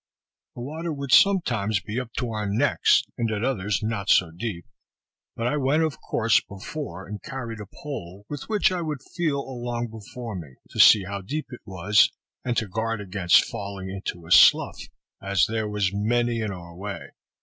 The water would sometimes be up to our necks, and at others not so deep; but I went, of course, before, and carried a pole, with which I would feel along before me, to see how deep it was, and to guard against falling into a slough, as there was many in our way.